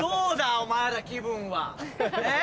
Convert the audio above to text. お前ら気分はえ？